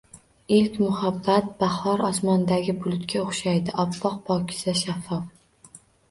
Ilk muhabbat bahor osmonidagi bulutga o’xshaydi. Oppoq. Pokiza. Shaffof.